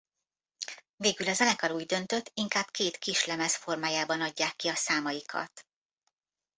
Végül a zenekar úgy döntött inkább két kislemez formájában adják ki a számaikat.